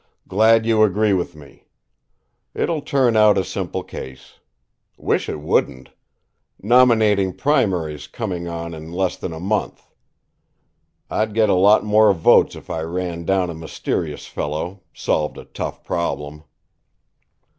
"Glad you agree with me. It'll turn out a simple case. Wish it wouldn't. Nominating primary's coming on in less than a month. I'd get a lot more votes if I ran down a mysterious fellow, solved a tough problem."